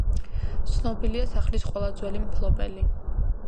ცნობილია სახლის ყველა ძველი მფლობელი.